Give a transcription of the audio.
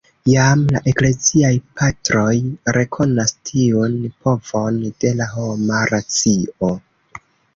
Jam la Ekleziaj Patroj rekonas tiun povon de la homa racio.